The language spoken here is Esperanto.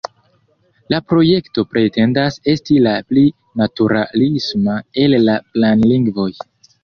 La projekto pretendas esti la pli naturalisma el la planlingvoj.